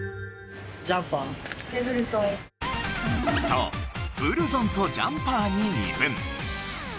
そうブルゾンとジャンパーに二分。